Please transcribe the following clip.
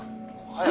はい